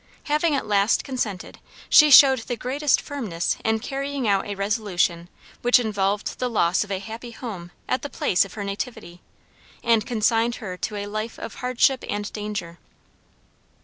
Having at last consented, she showed the greatest firmness in carrying out a resolution which involved the loss of a happy home at the place of her nativity, and consigned her to a life of hardship and danger.